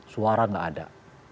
suara tidak ada